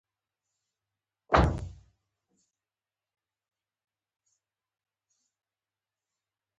زموږ ابۍ ناجوړه،